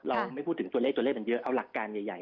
เราไม่พูดถึงตัวเลขตัวเลขมันเยอะเอาหลักการใหญ่